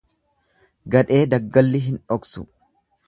Gadhee daggalli hin dhoksu.